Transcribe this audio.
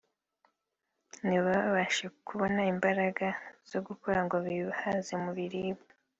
ntibabashe kubona imbaraga zo gukora ngo bihaze mu biribwa